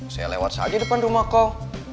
saya lewat saja depan rumah kong